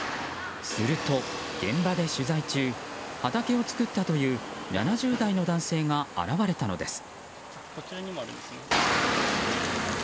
すると現場で取材中畑を作ったという７０代の男性が現れたのです。